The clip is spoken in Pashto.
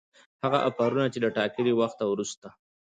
هغه آفرونه چي له ټاکلي وخته وروسته